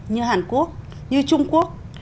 như hàn quốc như trung quốc